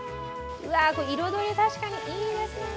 彩り、確かにいいですね！